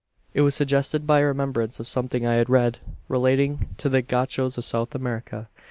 It was suggested by a remembrance of something I had read, relating to the Gauchos of South America.